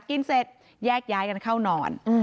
กินเสร็จแยกย้ายกันเข้านอน